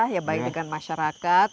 ya baik dengan masyarakat